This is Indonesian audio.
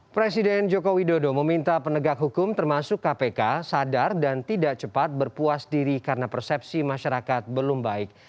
presiden joko widodo meminta penegak hukum termasuk kpk sadar dan tidak cepat berpuas diri karena persepsi masyarakat belum baik